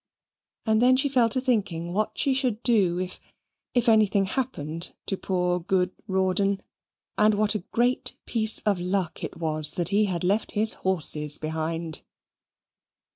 And then she fell to thinking what she should do if if anything happened to poor good Rawdon, and what a great piece of luck it was that he had left his horses behind.